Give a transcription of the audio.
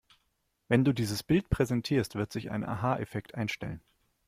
Wenn du dieses Bild präsentierst, wird sich ein Aha-Effekt einstellen.